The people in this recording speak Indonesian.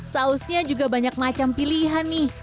sausnya juga banyak macam pilihan nih